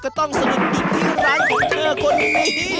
ต้องสนุกหยุดที่ร้านของเธอคนนี้